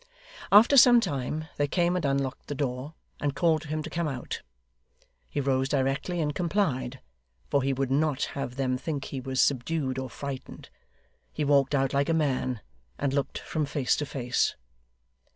After some time, they came and unlocked the door, and called to him to come out. He rose directly, and complied, for he would not have THEM think he was subdued or frightened. He walked out like a man, and looked from face to face.